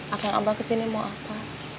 akan abah kesini mau apa